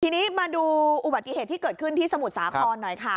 ทีนี้มาดูอุบัติเหตุที่เกิดขึ้นที่สมุทรสาครหน่อยค่ะ